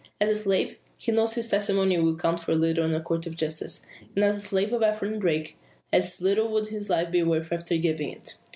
As a slave, he knows his testimony will count for little in a court of justice. And as the slave of Ephraim Darke, as little would his life be worth after giving it.